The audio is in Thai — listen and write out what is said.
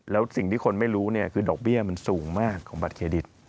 แล้วสิ่งที่คนไม่รู้เนี่ยคือดอกเบี้ยมันสูงมากของบัตรเครดิต